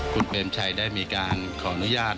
คุณเปรมชัยได้มีการขออนุญาต